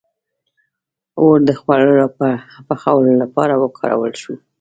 • اور د خوړو پخولو لپاره وکارول شو.